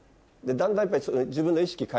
だんだん自分の。